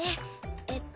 えっと